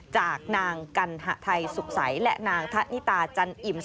จากนางกัณหไทยสุขใสและนางทะนิตาจันอิ่ม